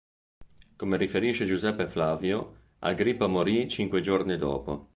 Come riferisce Giuseppe Flavio, Agrippa morì cinque giorni dopo.